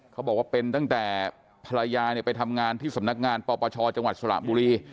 เขาบอกว่าเป็นตั้งแต่ภรรยาไปทำงานที่สำนักงานปปชจังหวัดสระบุรี